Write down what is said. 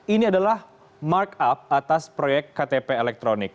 ini adalah markup atas proyek ktp elektronik